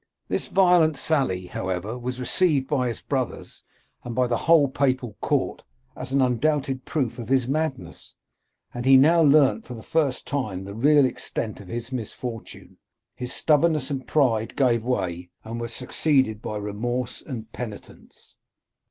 This violent sally, however, was received by his brothers, and by the whole papal court, as an undoubted proof of his madness ; and he now learnt for the first time the real extent of his misfortune. His stubbornness and pride gave way, and were succeeded by remorse and penitence.